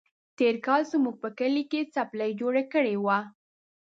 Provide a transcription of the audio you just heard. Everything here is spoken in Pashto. تېر کال يې زموږ په کلي کې څپلۍ جوړه کړې وه.